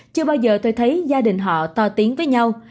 chưa bao giờ tôi thấy gia đình họ to tiếng với nhau